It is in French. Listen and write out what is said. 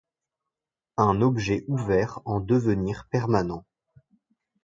Un objet ouvert en devenir permanent.